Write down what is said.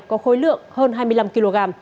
có khối lượng hơn hai mươi năm kg